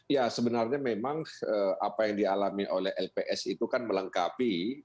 ya sebenarnya memang apa yang dialami oleh lps itu kan melengkapi